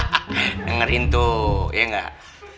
hahaha ngerintu iya nggak